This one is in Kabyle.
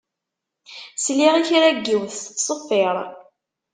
Sliɣ i kra n yiwet tettṣeffiṛ.